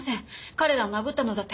彼らを殴ったのだって